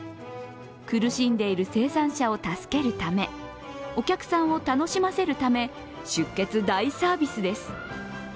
苦しんでいる生産者を助けるためり、お客さんを楽しませるため出血大サービスです。